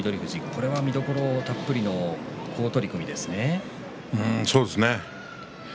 これは見どころたっぷりのそうですね。